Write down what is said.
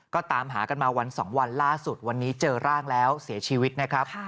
ก็ตามหากันมาวัน๒วันล่าสุดวันนี้เจอร่างแล้วเสียชีวิตนะครับ